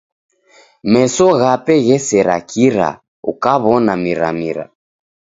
Meso ghape ghesera kira aw'ona miramira.